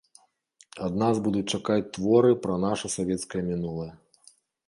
Ад нас будуць чакаць творы пра наша савецкае мінулае.